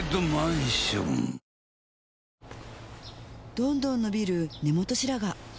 どんどん伸びる根元白髪